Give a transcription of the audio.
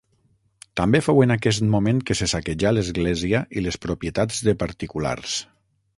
També fou en aquest moment que se saquejà l'església i les propietats de particulars.